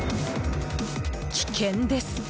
危険です！